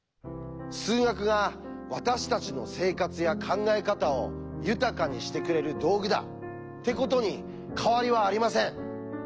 数学が私たちの生活や考え方を豊かにしてくれる道具だってことに変わりはありません。